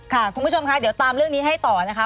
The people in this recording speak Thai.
คุณผู้ชมค่ะเดี๋ยวตามเรื่องนี้ให้ต่อนะคะ